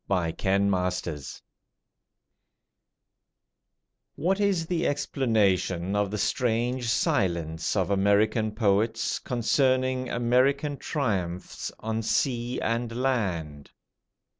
THE POET'S THEME What is the explanation of the strange silence of American poets concerning American triumphs on sea and land?